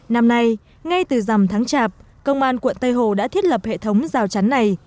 năm nay ngay từ dằm tháng chạp công an quận tây hồ đã thiết lập hệ thống rào chắn này